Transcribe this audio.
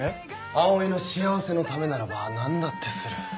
葵の幸せのためならば何だってする。